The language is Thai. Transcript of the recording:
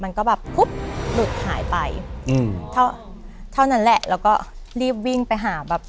มันก็แบบปุ๊บหลุดหายไปอืมเท่านั้นแหละแล้วก็รีบวิ่งไปหาแบบ